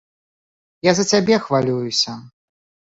Я за цябе хвалююся.